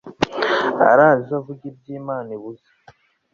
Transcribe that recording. Arazi avuga ibyo Imana ibuza